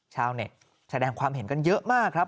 ชาวเน็ตแสดงความเห็นกันเยอะมากครับ